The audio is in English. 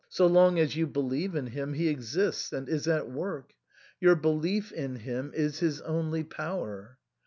So long as you believe in him he exists and is at work ; your belief in him is his only power."